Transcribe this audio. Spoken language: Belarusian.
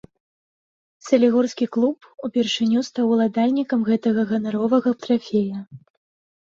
Салігорскі клуб упершыню стаў уладальнікам гэтага ганаровага трафея.